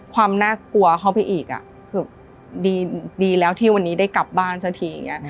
ความน่ากลัวเข้าไปอีกคือดีแล้วที่วันนี้ได้กลับบ้านซะทีอย่างนี้